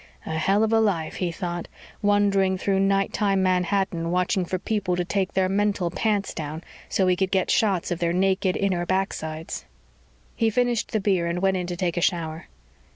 A hell of a life, he thought, wandering through nighttime Manhattan watching for people to take their mental pants down so he could get shots of their naked inner backsides. He finished the beer and went in to take a shower.